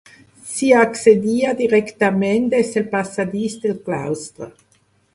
S'hi accedia directament des del passadís del claustre.